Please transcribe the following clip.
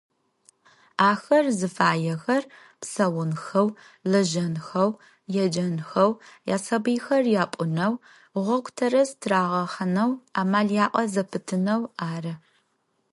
Ахэр зыфаехэр псэунхэу, лэжьэнхэу, еджэнхэу, ясабыйхэр апӏунэу, гъогу тэрэз тырагъэхьанэу амал яӏэ зэпытынэу ары.